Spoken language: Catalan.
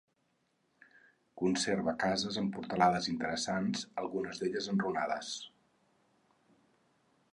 Conserva cases amb portalades interessants, algunes d'elles enrunades.